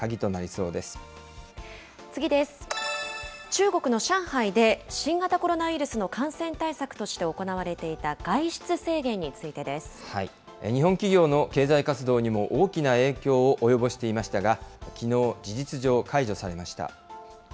中国の上海で、新型コロナウイルスの感染対策として行われていた外出制限につい日本企業の経済活動にも大きな影響を及ぼしていましたが、きのう、事実上、解除されました。